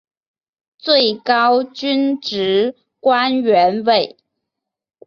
最高军职官员为。